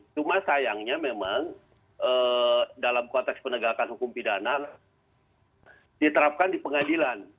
cuma sayangnya memang dalam konteks penegakan hukum pidana diterapkan di pengadilan